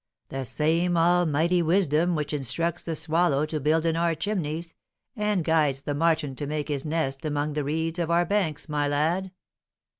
"The same Almighty wisdom which instructs the swallow to build in our chimneys, and guides the marten to make his nest among the reeds of our banks, my lad.